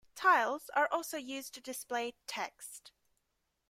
Tiles are also used to display text.